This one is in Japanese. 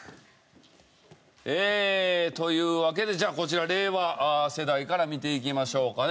ええというわけでじゃあこちら令和世代から見ていきましょうかね。